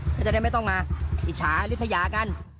ก็จะได้ไม่ต้องมาอิจฉาริสยากัน